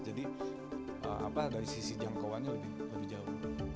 jadi dari sisi jangkauannya lebih jauh